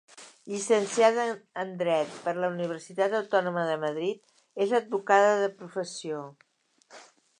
Llicenciada en Dret per la Universitat Autònoma de Madrid, és advocada de professió.